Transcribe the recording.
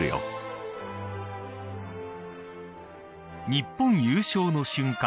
日本優勝の瞬間